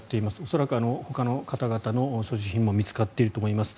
恐らくほかの方々の所持品も見つかっていると思います。